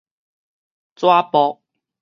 紙箔